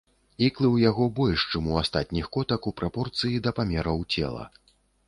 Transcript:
Іклы ў яго больш, чым у астатніх котак ў прапорцыі да памераў цела.